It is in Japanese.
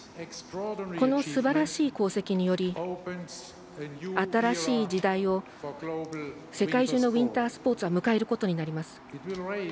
このすばらしい功績により新しい時代を世界中のウインタースポーツは迎えることになります。